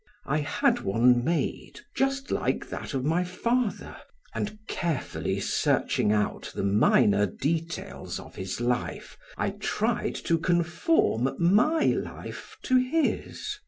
I had one made just like that of my father's, and, carefully searching out the minor details of his life, I tried to conform my life to his.